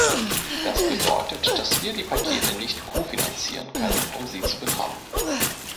Das bedeutet, dass wir die Pakete nicht kofinanzieren können, um sie zu bekommen.